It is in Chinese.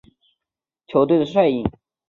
这也是王宝山第二次执掌球队的帅印。